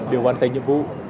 đều hoàn thành nhiệm vụ